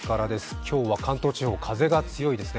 今日は関東地方、風が強いですね。